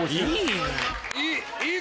いい！